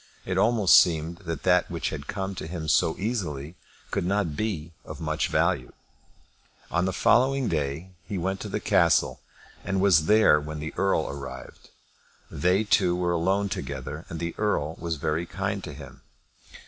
It almost seemed that that which had come to him so easily could not be of much value. On the following day he went to the castle, and was there when the Earl arrived. They two were alone together, and the Earl was very kind to him.